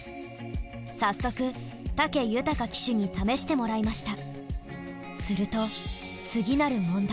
早速武豊騎手に試してもらいました。